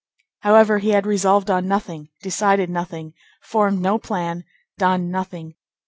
However, he had resolved on nothing, decided nothing, formed no plan, done nothing.